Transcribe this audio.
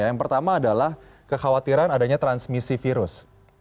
yang pertama adalah kekhawatiran adanya transmisi virus